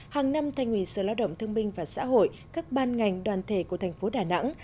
hàng năm thanh nguyên sự lao động thông minh và xã hội các ban ngành đoàn thể của thành phố đà nẵng